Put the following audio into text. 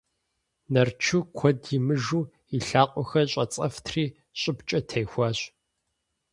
Нарчу куэд имыжу и лъакъуэхэр щӀэцӀэфтри щӀыбкӀэ техуащ.